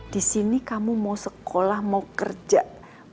di sini kamu mau sekolah mau kerja mau jadi apa